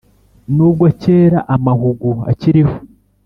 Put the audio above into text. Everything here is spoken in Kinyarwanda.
n'ubwo kera amahugu akiriho